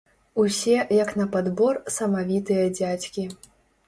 Усе, як на падбор, самавітыя дзядзькі.